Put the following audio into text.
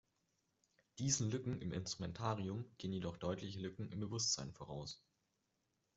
Diesen Lücken im Instrumentarium gehen jedoch deutliche Lücken im Bewusstsein voraus.